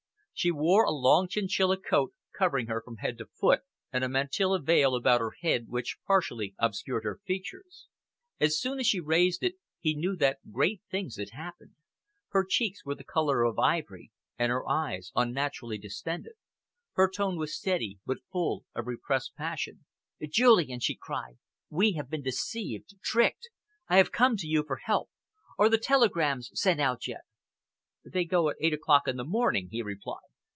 She wore a long chinchilla coat, covering her from head to foot, and a mantilla veil about her head, which partially obscured her features. As soon as she raised it, he knew that great things had happened. Her cheeks were the colour of ivory, and her eyes unnaturally distended. Her tone was steady but full of repressed passion. "Julian," she cried, "we have been deceived tricked! I have come to you for help. Are the telegrams sent out yet?" "They go at eight o'clock in the morning," he replied.